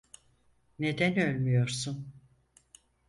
Neden ölmüyorsun?